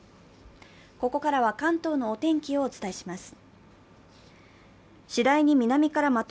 ここからは関東のお天気をお伝えします。